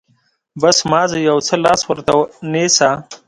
بس، مازې يو څه لاس ورته نيسه.